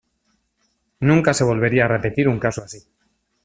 Nunca se volvería a repetir un caso así.